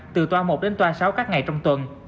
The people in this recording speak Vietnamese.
từ toa một đến toi sáu các ngày trong tuần